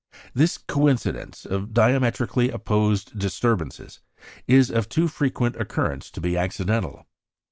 This coincidence of diametrically opposite disturbances is of too frequent occurrence to be accidental.